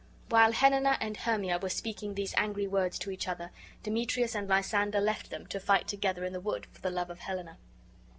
While Helena and Hermia were speaking these angry words to each other, Demetrius and Lysander left them, to fight together in the wood for the love of Helena.